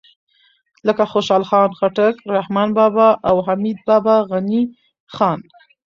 لکه خوشحال خټک، رحمان بابا او حمید بابا، غني خان